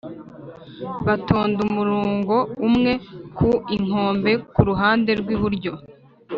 batonda umurungo umwe ku inkombe kuruhande rw' iburyo